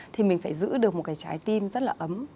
thì mình phải giữ được một cái trái tim rất là ấm